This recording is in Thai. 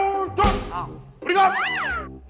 อยู่ด้วยกันแล้วอยู่ด้วยกันแล้ว